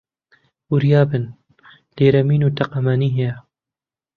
وریا بن، لێرە مین و تەقەمەنی هەیە